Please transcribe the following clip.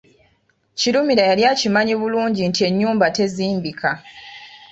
Kirumira yali akimanyi bulungi nti ennyumba tezimbika.